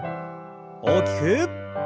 大きく。